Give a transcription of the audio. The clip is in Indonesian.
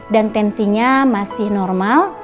dan tensinya masih normal